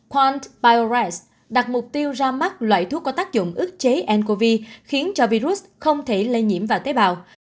quang biores đặt mục tiêu ra mắt loại thuốc có tác dụng ức chế ncov khiến cho virus không thể lây nhiễm vào tế bào